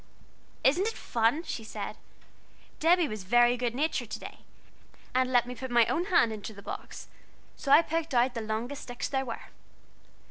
"Isn't it fun?" she said. "Debby was real good natured to day, and let me put my own hand into the box, so I picked out the longest sticks there were.